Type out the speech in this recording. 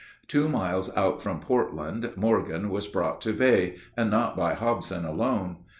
Two miles out from Portland, Morgan was brought to bay and not by Hobson alone.